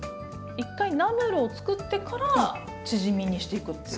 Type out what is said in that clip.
一回ナムルを作ってからチヂミにしていくっていう。